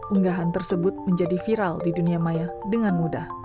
unggahan tersebut menjadi viral di dunia maya dengan mudah